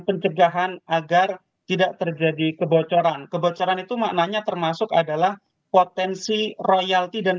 pencegahan agar tidak terjadi kebocoran kebocoran itu maknanya termasuk adalah potensi royalti dan